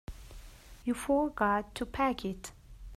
You forgot to pack it.